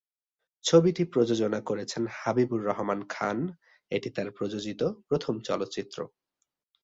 ছবিটি প্রযোজনা করেছেন হাবিবুর রহমান খান, এটি তার প্রযোজিত প্রথম চলচ্চিত্র।